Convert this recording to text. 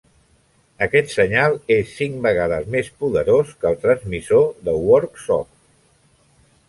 Aquest senyal és cinc vegades més poderós que el transmissor de Worksop.